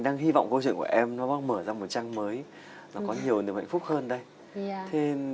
đang hi vọng câu chuyện của em nó bắt mở ra một trang mới nó có nhiều điều hạnh phúc hơn đây thế